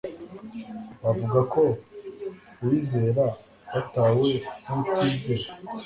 wavuga ko uwizera watawe n'utizera